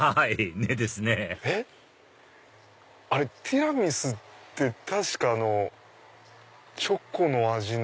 ティラミスって確かチョコの味の。